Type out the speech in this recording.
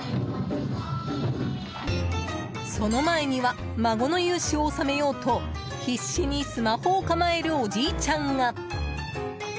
その前には孫の雄姿を収めようと必死にスマホを構えるおじいちゃんが。